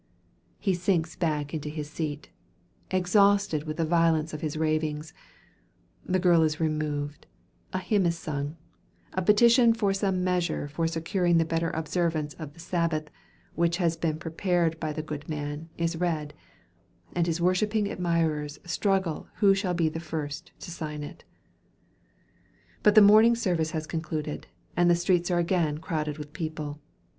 He sinks back into his seat, exhausted with the violence of his ravings; the girl is removed, a hymn is sung, a petition for some measure for securing the better observance of the Sabbath, which has been prepared by the good man, is read; and his worshipping admirers struggle who shall be the first to sign it. But the morning service has concluded, and the streets are again crowded with people.